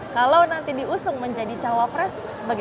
kalau nanti diusung menjadi cawapres bagaimana pak